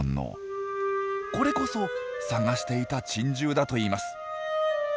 これこそ探していた珍獣だといいます。